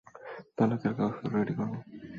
তালাকের কাগজপত্র রেডি।